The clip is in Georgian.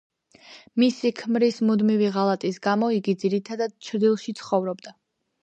მისი ქმრის მუდმივი ღალატის გამო, იგი ძირითადად ჩრდილში ცხოვრობდა.